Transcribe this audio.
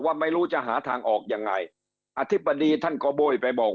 ไม่รู้จะหาทางออกยังไงอธิบดีท่านก็โบ้ยไปบอก